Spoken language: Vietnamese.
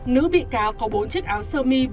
nữ bị cáo có bốn chiếc áo sơ mi